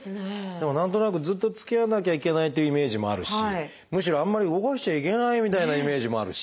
でも何となくずっとつきあわなきゃいけないというイメージもあるしむしろあんまり動かしちゃいけないみたいなイメージもあるし。